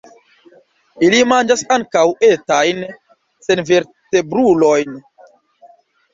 Ili manĝas ankaŭ etajn senvertebrulojn.